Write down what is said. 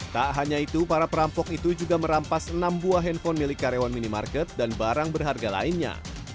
tak hanya itu para perampok itu juga merampas enam buah handphone milik karyawan minimarket dan barang berharga lainnya